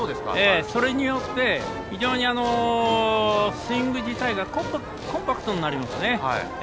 それによってスイング自体がコンパクトになりますね。